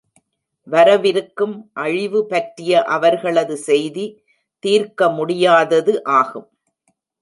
வரவிருக்கும் அழிவு பற்றிய அவர்களது செய்தி தீர்க்கமுடியாதது ஆகும்.